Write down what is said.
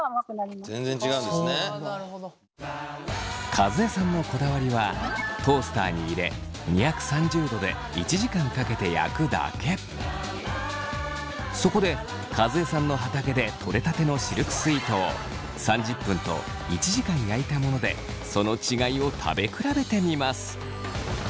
和江さんのこだわりはそこで和江さんの畑でとれたてのシルクスイートを３０分と１時間焼いたものでその違いを食べ比べてみます。